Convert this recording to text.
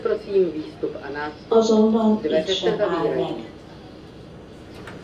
Azonban itt sem áll meg.